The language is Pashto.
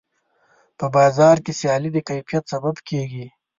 په بازار کې سیالي د کیفیت سبب کېږي.